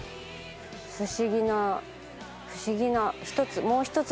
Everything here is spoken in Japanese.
不思議な不思議な。